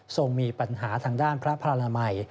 มีปัญหาทางด้านพระพระนามัย